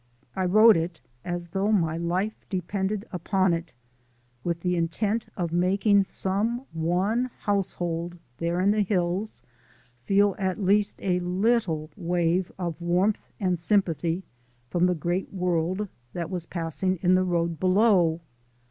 I wrote it as though my life depended upon it, with the intent of making some one household there in the hills feel at least a little wave of warmth and sympathy from the great world that was passing in the road below.